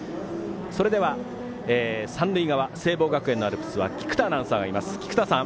それでは三塁側聖望学園のアルプスは菊田アナウンサーがいます。